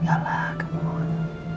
nggak lah come on